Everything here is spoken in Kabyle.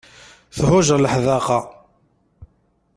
Thuǧer leḥdaqa.